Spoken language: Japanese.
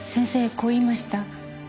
こう言いました。